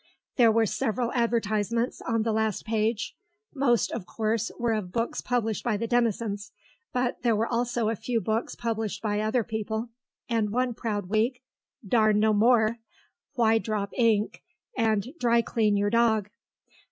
There were several advertisements on the last page; most, of course, were of books published by the Denisons, but there were also a few books published by other people, and, one proud week, "Darn No More," "Why Drop Ink," and "Dry Clean Your Dog."